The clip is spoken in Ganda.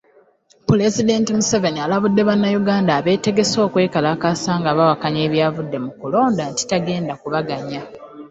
Pulezidenti Museveni alabudde bannayuganda abategese okwekalakaasa nga bawakkanya ebyavudde mukulonda nti tagenda kubaganya.